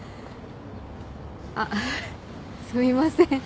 あっすみません。